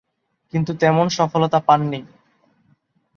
কিন্তু, তেমন সফলতা পাননি।